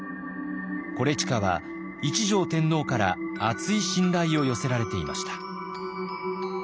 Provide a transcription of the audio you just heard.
伊周は一条天皇から厚い信頼を寄せられていました。